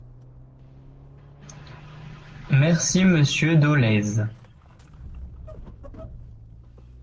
Merci, monsieur Dolez.